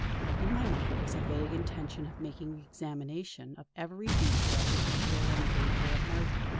In my mind was a vague intention of making examination of every detail which could bear on the danger of Marjory.